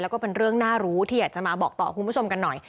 แล้วก็เป็นเรื่องน่ารู้ที่อยากจะมาบอกต่อคุณผู้ชมกันหน่อย